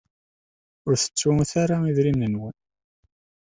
Ur tettut ara idrimen-nwen.